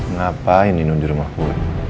ngapain di nunjuk rumahku